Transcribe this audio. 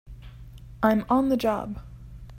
I'm on the job!